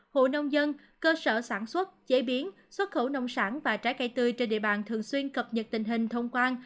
hộ nông dân cơ sở sản xuất chế biến xuất khẩu nông sản và trái cây tươi trên địa bàn thường xuyên cập nhật tình hình thông quan